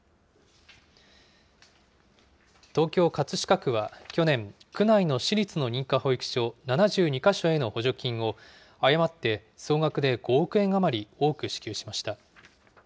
東京・葛飾区は去年、区内の私立の認可保育所７２か所への補助金を、誤って総額で５億円余り多く支給しました。